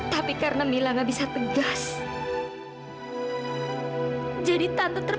dari awalnya harus bisa berterus terang